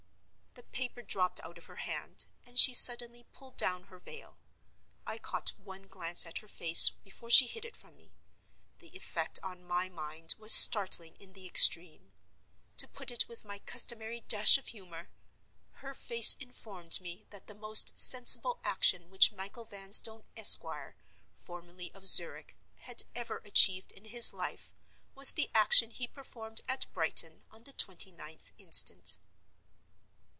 The paper dropped out of her hand, and she suddenly pulled down her veil. I caught one glance at her face before she hid it from me. The effect on my mind was startling in the extreme. To put it with my customary dash of humor—her face informed me that the most sensible action which Michael Vanstone, Esq., formerly of Zurich, had ever achieved in his life was the action he performed at Brighton on the 29th instant.